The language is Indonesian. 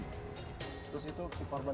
terus itu si korban